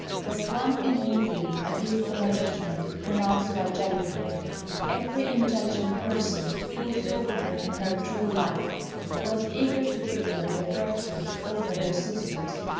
But one can easily appeal from a judgment pronounced by jealousy. Every intelligent person, who saw her in her true light, was eager to give her the preference over her sisters.